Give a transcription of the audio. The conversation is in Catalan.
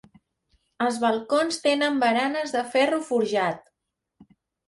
Els balcons tenen baranes de ferro forjat.